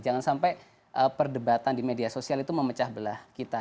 jangan sampai perdebatan di media sosial itu memecah belah kita